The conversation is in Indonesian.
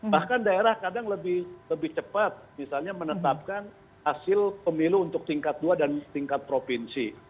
bahkan daerah kadang lebih cepat misalnya menetapkan hasil pemilu untuk tingkat dua dan tingkat provinsi